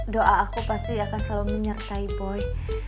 doa aku pasti akan selalu menyertai boy